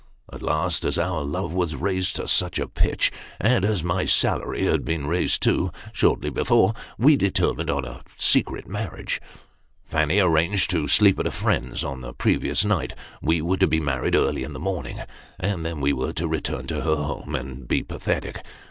At last, as our love was raised to Mr. Parsons describes his Courtship. 335 such a pitch, and as my salary had been raised too, shortly before, we determined on a secret marriage. Fanny arranged to sleep at a friend's, on the previous night ; we were to be married early in the morn ing ; and then we were to return to her home and be pathetic.